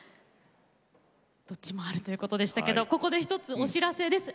どっちもあるということでしたけどここで一つお知らせです。